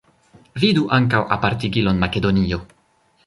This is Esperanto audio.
Vidu ankaŭ apartigilon Makedonio.